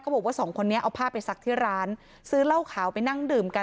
บอกว่าสองคนนี้เอาผ้าไปซักที่ร้านซื้อเหล้าขาวไปนั่งดื่มกัน